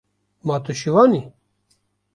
Ma tu şivan î?